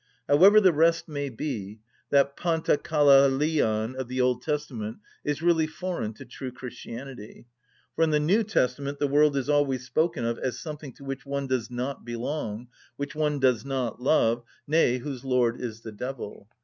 (52) However the rest may be, that παντα καλα λιαν of the Old Testament is really foreign to true Christianity; for in the New Testament the world is always spoken of as something to which one does not belong, which one does not love, nay, whose lord is the devil.